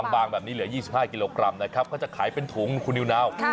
บางแบบนี้เหลือ๒๕กิโลกรัมนะครับก็จะขายเป็นถุงคุณนิวนาว